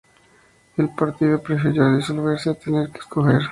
El partido prefirió disolverse a tener que escoger.